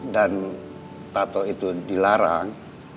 dan tato itu dilarang